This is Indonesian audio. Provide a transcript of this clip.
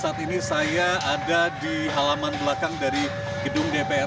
saat ini saya ada di halaman belakang dari gedung dpr